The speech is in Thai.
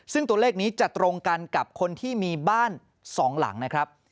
ซึ่งตัวเลขนี้จะตรงกันกับคนที่มีบ้านสองหลังนะครับ